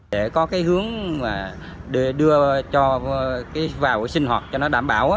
để có cái hướng đưa vào sinh hoạt cho nó đảm bảo